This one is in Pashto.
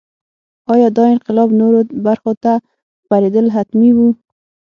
ایا دا انقلاب نورو برخو ته خپرېدل حتمي وو.